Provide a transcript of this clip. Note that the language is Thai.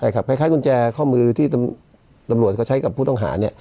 คล้ายกุญแจข้อมือที่ตำรวจเขาใช้กับผู้ต้องหาเนี่ย